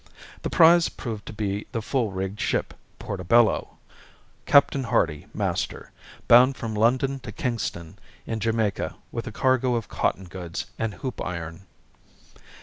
The prize proved to be the full rigged ship Portobello Captain Hardy, master bound from London to Kingston in Jamaica, with a cargo of cotton goods and hoop iron.